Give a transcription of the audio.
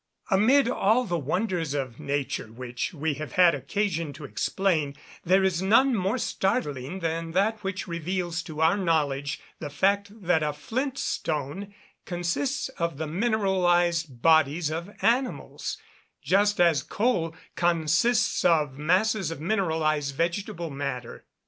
Amid all the wonders of nature which we have had occasion to explain, there is none more startling than that which reveals to our knowledge the fact that a flint stone consists of the mineralised bodies of animals, just as coal consists of masses of mineralised vegetable matter.